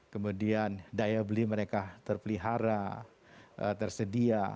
kemudian daya beli mereka terpelihara tersedia